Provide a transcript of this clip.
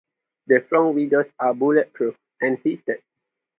The front windows are bullet-proof and heated.